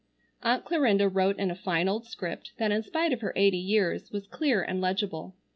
Aunt Clarinda wrote in a fine old script that in spite of her eighty years was clear and legible.